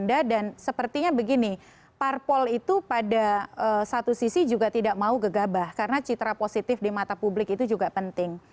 ada dan sepertinya begini parpol itu pada satu sisi juga tidak mau gegabah karena citra positif di mata publik itu juga penting